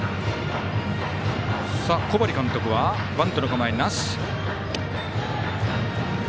小針監督は、バントの構えなし。